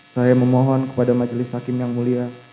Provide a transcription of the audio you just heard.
saya memohon kepada majelis hakim yang mulia